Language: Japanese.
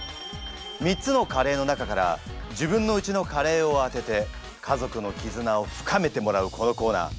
３つのカレーの中から自分のうちのカレーを当てて家族の絆を深めてもらうこのコーナー。